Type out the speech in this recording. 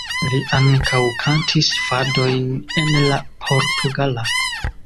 Li ankaŭ kantis fadojn en la portugala.